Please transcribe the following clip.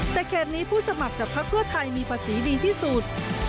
แต่เขตนี้ผู้สมัครจากพักเพื่อไทยมีภาษีดีที่สุด